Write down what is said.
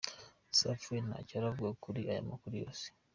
Safi we ntacyo aravuga kuri aya makuru yose.